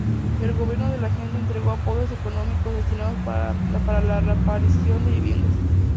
El Gobierno de la Gente entregó apoyos económicos destinados para la reparación de viviendas.